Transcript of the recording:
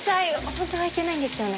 本当はいけないんですよね？